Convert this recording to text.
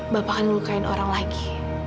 bapak akan melukain orang lagi